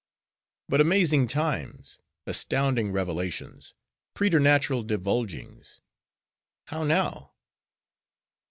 —But amazing times! astounding revelations; preternatural divulgings!—How now?